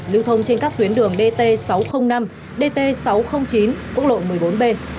lưu thông trên các tuyến đường dt sáu trăm linh năm dt sáu trăm linh chín quốc lộ một mươi bốn b